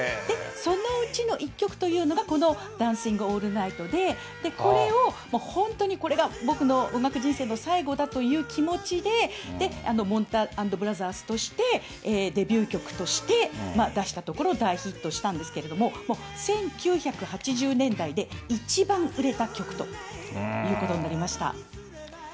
そのうちの１曲というのが、このダンシング・オールナイトで、これを、本当にこれが僕の音楽人生の最後だという気持ちで、もんた＆ブラザーズとしてデビュー曲として出したところ、大ヒットしたんですけれども、１９８０年代で一番売れた曲ということになりました。